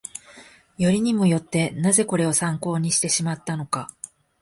よりにもよって、なぜこれを参考にしてしまったのか